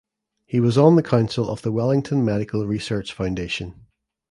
He was on the council of the Wellington Medical Research Foundation.